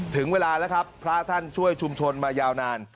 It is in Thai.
ถึงเวลาแล้วครับพระท่านช่วยชุมชนมายาวนาน